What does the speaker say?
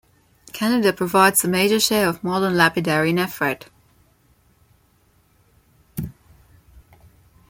Canada provides the major share of modern lapidary nephrite.